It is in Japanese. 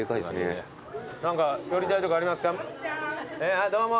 あっどうも。